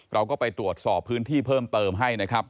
เราก็ไปตรวจสอบพื้นที่เพิ่มเติมให้นะครับ